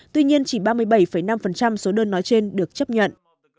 tuy nhiên chỉ ba mươi bảy năm số đơn nói trên được chấp nhận